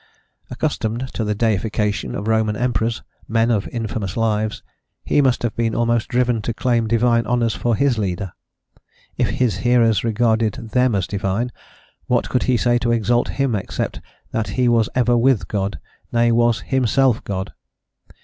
Accustomed to the deification of Roman emperors, men of infamous lives, he must have been almost driven to claim divine honours for his leader. If his hearers regarded them as divine, what could he say to exalt him except that he was ever with God, nay, was himself God?